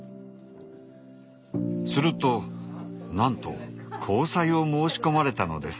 するとなんと交際を申し込まれたのです。